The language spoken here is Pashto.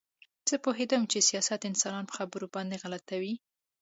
زه پوهېدم چې سیاست انسانان په خبرو باندې غلطوي